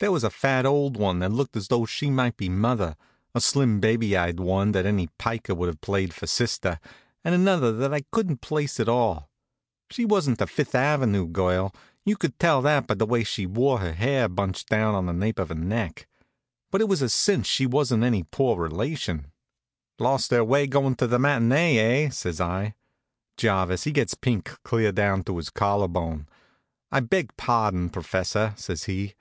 There was a fat old one, that looked as though she might be mother; a slim baby eyed one, that any piker would have played for sister; and another, that I couldn't place at all. She wasn't a Fifth ave. girl you could tell that by the way she wore her hair bunched down on the nape of her neck but it was a cinch she wasn't any poor relation. [Illustration: Mother, sister, and Lady Evelyn.] "Lost their way goin' to the matinée, eh?" says I. Jarvis, he gets pink clear down to his collarbone. "I beg pardon, professor," says he.